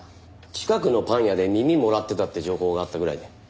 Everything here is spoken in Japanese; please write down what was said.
近くのパン屋で耳もらってたって情報があったぐらいで。